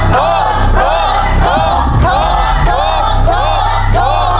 โทษโทษโทษโทษโทษ